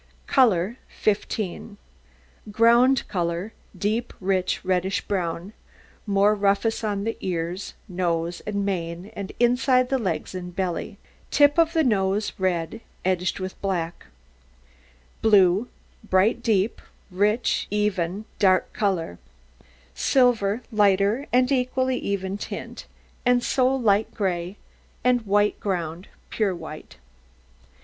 COLOUR 15 Ground colour, deep, rich reddish brown, more rufous on the nose, ears, mane, and inside the legs and belly; tip of nose red, edged with black; blue, bright, deep, rich, even, dark colour; silver, lighter and equally even tint; and so light gray; and white ground, pure white.